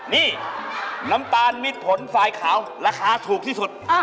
นี่น้ำตาลมิดผลสายขาวราคาถูกที่สุด